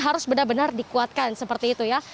harus benar benar dikuatkan seperti itu ya